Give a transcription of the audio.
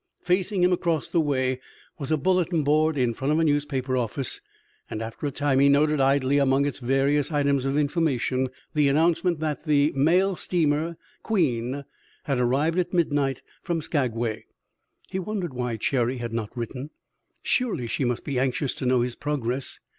Facing him, across the way, was a bulletin board in front of a newspaper office; and, after a time, he noted idly among its various items of information the announcement that the mail steamer Queen had arrived at midnight from Skagway. He wondered why Cherry had not written. Surely she must be anxious to know his progress.